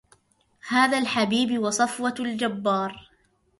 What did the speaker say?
هذا الحبيب وصفوة الجبار